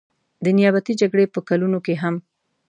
د نیابتي جګړې په کلونو کې هم.